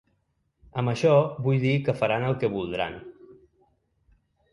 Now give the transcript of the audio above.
Amb això vull dir que faran el que voldran.